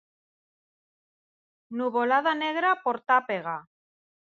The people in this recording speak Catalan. Nuvolada negra porta pega.